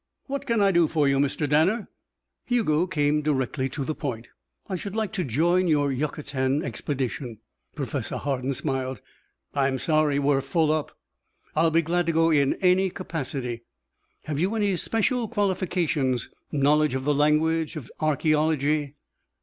"What can I do for you, Mr. Danner?" Hugo came directly to the point. "I should like to join your Yucatan expedition." Professor Hardin smiled. "I'm sorry. We're full up." "I'd be glad to go in any capacity " "Have you special qualifications? Knowledge of the language? Of archæology?"